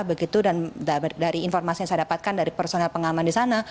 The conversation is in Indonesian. begitu dan dari informasi yang saya dapatkan dari personel pengaman di sana